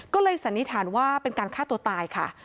ก็เลยสันนิษฐานว่าเป็นการฆ่าตัวตายค่ะ